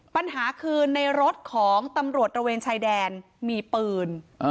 ปัญหาคือในรถของตำรวจระเวนชายแดนมีปืน